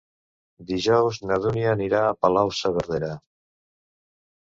Dijous na Dúnia anirà a Palau-saverdera.